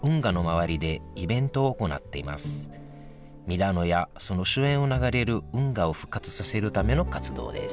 ミラノやその周辺を流れる運河を復活させるための活動です